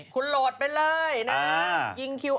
คุณโหลดไปเลยนะ